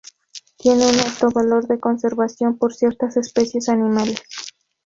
Tiene un alto valor de conservación por ciertas especies animales.